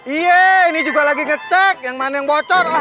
iya ini juga lagi ngecek yang mana yang bocor